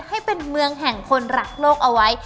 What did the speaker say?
ให้เป็นเมืองแห่งคนรักโลกเอาไว้